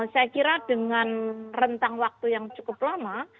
saya kira dengan rentang waktu yang cukup lama